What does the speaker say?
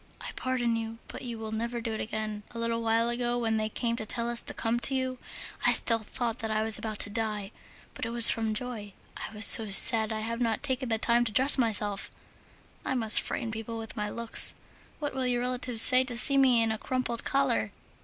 I pardon you, but you will never do it again. A little while ago, when they came to tell us to come to you, I still thought that I was about to die, but it was from joy. I was so sad! I have not taken the time to dress myself, I must frighten people with my looks! What will your relatives say to see me in a crumpled collar?